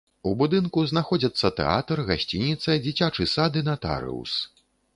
У будынку знаходзяцца тэатр, гасцініца, дзіцячы сад і натарыус.